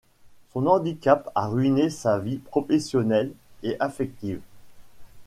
Son handicap a ruiné sa vie professionnelle et affective.